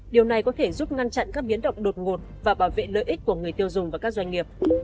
điều này có thể giúp ngăn chặn các biến động đột ngột và bảo vệ lợi ích của người tiêu dùng và các doanh nghiệp